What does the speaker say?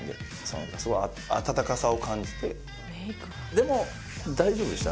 でも大丈夫でした？